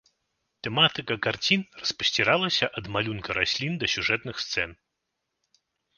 Тэматыка карцін распасціраліся ад малюнка раслін да сюжэтных сцэн.